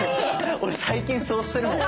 俺最近そうしてるもん。